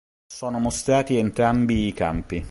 Sono mostrati entrambi i campi.